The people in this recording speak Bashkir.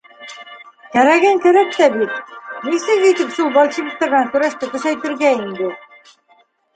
— Кәрәген кәрәк тә бит, нисек итеп шул большевиктар менән көрәште көсәйтергә инде?